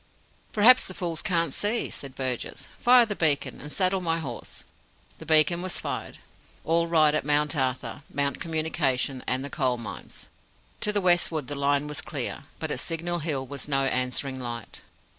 "Perhaps the fools can't see," said Burgess. "Fire the beacon and saddle my horse." The beacon was fired. All right at Mount Arthur, Mount Communication, and the Coal Mines. To the westward the line was clear. But at Signal Hill was no answering light.